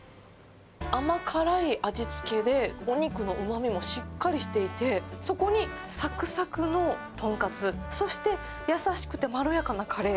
甘辛い味付けで、お肉のうまみもしっかりしていて、そこにさくさくのトンカツ、そして優しくてまろやかなカレー。